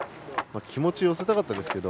気持ち寄せたかったですけど。